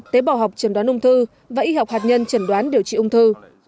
tế bào học trần đoán ung thư và y học hạt nhân chẩn đoán điều trị ung thư